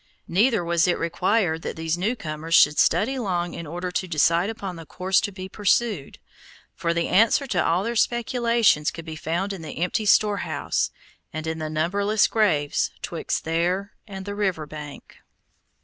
Neither was it required that these new comers should study long in order to decide upon the course to be pursued, for the answer to all their speculations could be found in the empty storehouse, and in the numberless graves 'twixt there and the river bank.